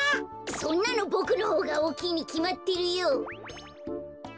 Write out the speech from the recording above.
そんなのボクのほうがおおきいにきまってるよ。